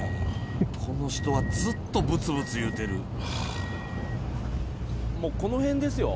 この人はずっとぶつぶつ言うもうこの辺ですよ。